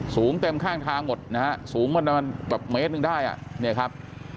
สูงเต็มข้างทางหมดนะฮะสูงประมาณแบบเมตรหนึ่งได้อ่ะเนี่ยครับ